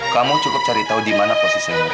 kamu cukup cari tahu di mana posisinya mereka